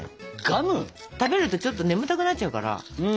食べるとちょっと眠たくなっちゃうから。